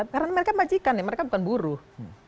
karena mereka majikan ya mereka bukan buruh